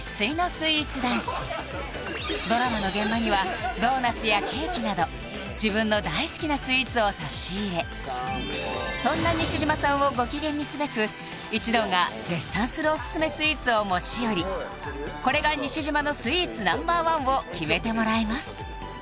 生っ粋のドラマの現場にはドーナツやケーキなど自分の大好きなスイーツを差し入れそんな西島さんをご機嫌にすべく一同が絶賛するおすすめスイーツを持ち寄りこれが西島のスイーツＮｏ．１を決めてもらいます